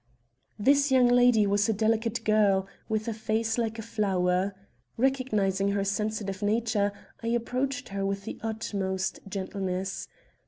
This young lady was a delicate girl, with a face like a flower. Recognizing her sensitive nature, I approached her with the utmost gentleness.